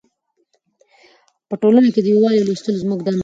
په ټولنه کې د یووالي راوستل زموږ دنده ده.